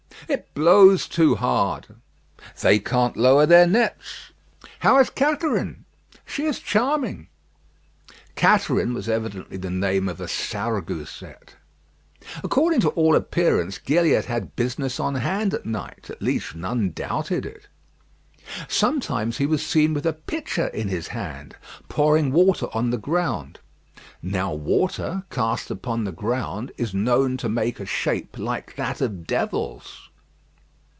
"It blows too hard." "They can't lower their nets." "How is Catherine?" "She is charming." Catherine was evidently the name of a Sarregouset. According to all appearance, Gilliatt had business on hand at night: at least none doubted it. Sometimes he was seen with a pitcher in his hand, pouring water on the ground. Now water, cast upon the ground, is known to make a shape like that of devils.